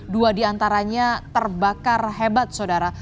dua diantaranya terbakar hebat saudara